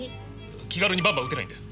気軽にバンバン撃てないんだよ。